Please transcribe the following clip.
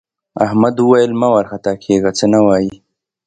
احمد وویل مه وارخطا کېږه څه نه وايي.